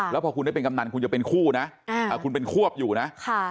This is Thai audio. แล้วพอคุณได้เป็นกำนันคุณจะเป็นคู่นะคุณเป็นควบอยู่นะ